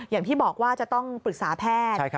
อย่างที่บอกว่าจะต้องปรึกษาแพทย์